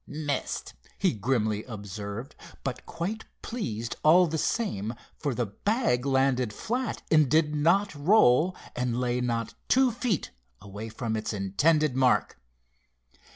"Missed," he grimly observed, but quite pleased all the same, for the bag landed flat and did not roll, and lay not two feet away from its intended mark.